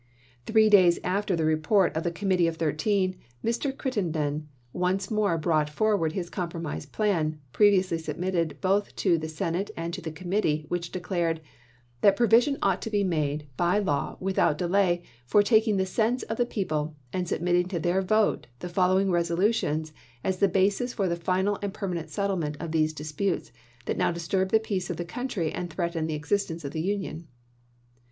Three days after the report of the Committee of Thirteen, Mr. Crittenden once more brought for ward his compromise plan, previously submitted both to the Senate and to the Committee, which declared: "That provision ought to be made by law, without delay, for taking the sense of the people, and submitting to their vote the follow ing resolutions as the basis for the final and per manent settlement of those disputes that now disturb the peace of the country and threaten the existence of the Union."